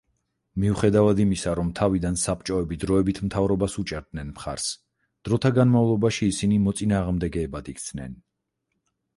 მიუხედავად იმისა, რომ თავიდან საბჭოები დროებით მთავრობას უჭერდნენ მხარს, დროთა განმავლობაში ისინი მოწინააღმდეგეებად იქცნენ.